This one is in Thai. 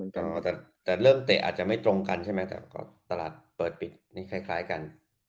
แต่เริ่มเตะอาจจะไม่ตรงกันใช่ไหมแต่ก็ตลาดเปิดปิดนี่คล้ายกัน